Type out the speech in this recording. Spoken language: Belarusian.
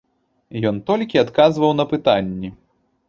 Ён толькі адказваў на пытанні.